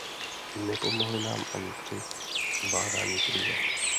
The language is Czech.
Nepomohly nám ani při zvládání krize.